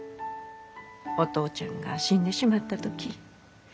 ・お父ちゃんが死んでしまった時。